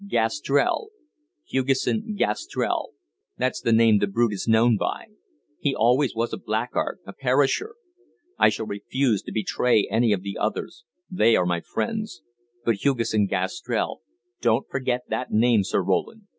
"Gastrell Hugesson Gastrell, that's the name the brute is known by. He always was a blackguard a perisher! I shall refuse to betray any of the others; they are my friends. But Hugesson Gastrell don't forget that name, Sir Roland.